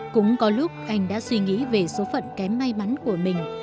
cũng có lúc anh đã suy nghĩ về số phận kém may mắn của mình